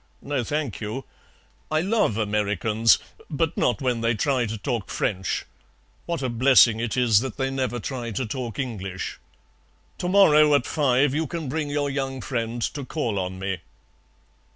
No, thank you. I love Americans, but not when they try to talk French. What a blessing it is that they never try to talk English. To morrow at five you can bring your young friend to call on me."'